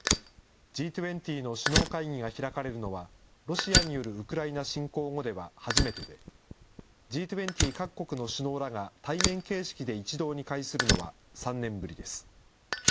Ｇ２０の首脳会議が開かれるのは、ロシアによるウクライナ侵攻後では初めてで、Ｇ２０各国の首脳らが対面形式で一堂に会するのは３年ぶりです。